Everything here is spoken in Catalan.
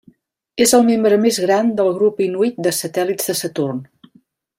És el membre més gran del grup inuit de satèl·lits de Saturn.